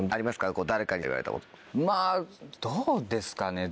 まぁどうですかね。